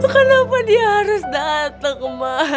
kenapa dia harus dateng ma